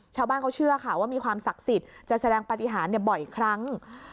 ชาวบ้านเขาเชื่อค่ะว่ามีความศักดิ์สิทธิ์จะแสดงปฏิหารบ่อยครั้ง